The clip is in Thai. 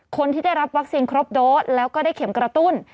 คนที่ได้รับวัคซีนครบโดสแล้วก็ได้เข็มกระตุ้น